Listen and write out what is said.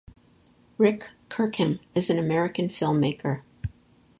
Rick Kirkham is an American filmmaker.